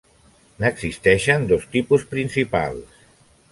N'existeixen dos tipus principals.